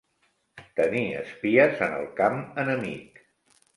Tenir espies en el camp enemic.